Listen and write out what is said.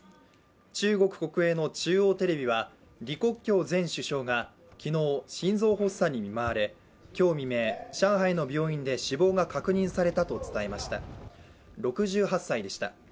中国国営の中央テレビは李克強前首相が昨日、心臓発作に見舞われ今日未明、上海の病院で死亡が確認されたと伝えました６８歳でした。